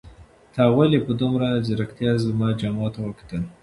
تا ولې په دومره ځیرکتیا زما جامو ته وکتل؟